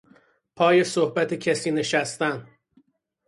پا صحبت کسی نشستن